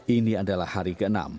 ini adalah hari ke enam